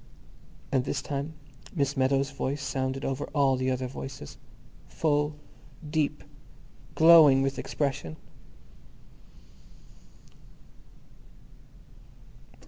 And this time Miss Meadows' voice sounded over all the other voices—full, deep, glowing with expression.